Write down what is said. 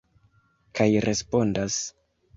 Kaj respondas.